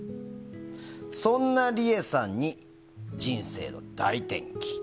そんなリエさんに人生の大転機。